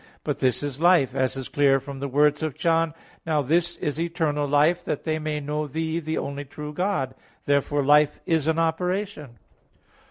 But this is life, as is clear from the words of John 18:3, "Now this is eternal life, that they may know Thee, the only true God." Therefore life is an operation.